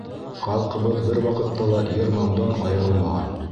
Халҡыбыҙ бер ваҡытта ла йыр-моңдан айырылмаған.